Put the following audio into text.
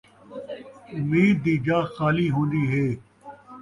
اُمید دی جاہ خالی ہون٘دی ہے